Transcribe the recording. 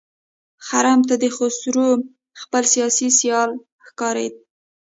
خرم ته خسرو خپل سیاسي سیال ښکارېده.